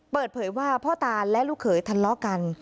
เปิดเผยว่าพ่อตาและลูกเขยทะเลาะกัน